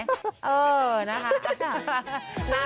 เออนะคะ